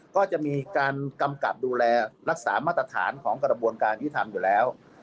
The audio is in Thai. ก็จะมีการกำกับดูแลรักษามาตรฐานของกระบวนการยุทธรรมอยู่แล้ว